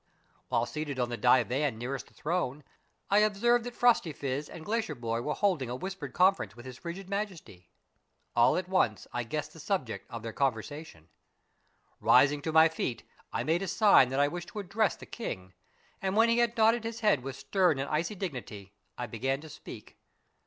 While seated on the divan nearest the throne, I observed that A MARVELLOUS UNDERGROUND JOURNEY 185 Phrostyphiz and Glacierbhoy were holding a whispered con ference with his frigid Majesty. At once I guessed the subject of their conversation. Rising to my feet, I made a sign that I wished to address the king, and when he had nodded his head with stern and icy dignity, I began to speak.